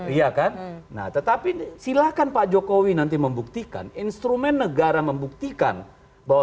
iya kan nah tetapi silahkan pak jokowi nanti membuktikan instrumen negara membuktikan bahwa